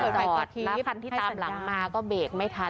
จอดรถคันที่ตามหลังมาก็เบรกไม่ทัน